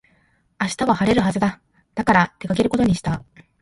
明日は晴れるはずだ。だから出かけることにした。